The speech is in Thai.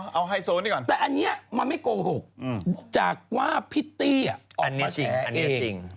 เออเอาไฮโซนี่ก่อนแต่อันนี้มันไม่โกหกจากว่าพิตตี้อ่ะอันนี้จริงอันนี้จริง